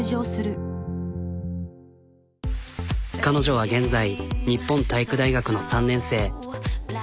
彼女は現在日本体育大学の３年生。